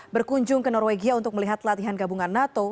berkunjung ke norwegia untuk melihat latihan gabungan nato